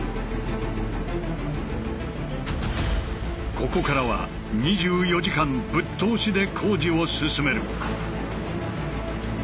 ここからは２４時間ぶっ通しで工事を進める。